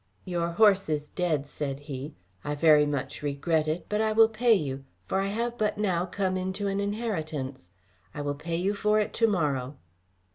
"Your horse is dead," said he. "I very much regret it; but I will pay you, for I have but now come into an inheritance. I will pay you for it to morrow."